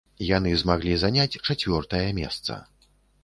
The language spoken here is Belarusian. Яны змаглі заняць чацвёртае месца.